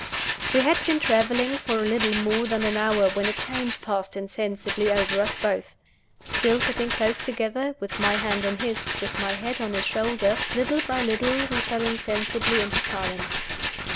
WE had been traveling for a little more than an hour when a change passed insensibly over us both. Still sitting close together, with my hand in his, with my head on his shoulder, little by little we fell insensibly into silence.